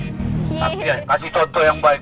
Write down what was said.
tapi ya kasih contoh yang baik